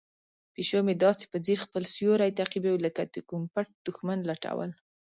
پیشو مې داسې په ځیر خپل سیوری تعقیبوي لکه د کوم پټ دښمن لټول.